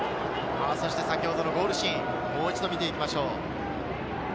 先ほどのゴールシーン、もう一度見ていきましょう。